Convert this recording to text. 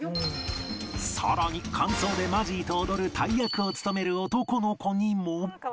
さらに間奏でマジーと踊る大役を務める男の子にも